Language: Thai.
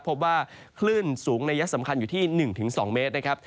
พบว่าคลื่นสูงนัยยะสำคัญอยู่ที่๑๒เมตรนะครับ